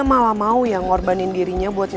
lu kan langsung mukul duit di dinding kan ini